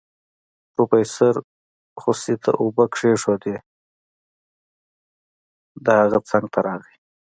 پروفيسر خوسي ته اوبه کېښودې د هغه څنګ ته راغی.